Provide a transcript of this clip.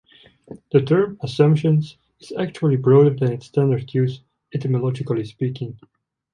The term "assumption" is actually broader than its standard use, etymologically speaking.